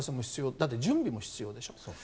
だって、準備も必要でしょ。